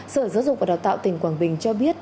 sở giáo dục và đào tạo tỉnh quảng bình cho biết